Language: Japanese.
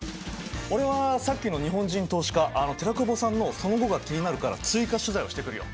俺はさっきの日本人投資家寺久保さんのその後が気になるから追加取材をしてくるよ。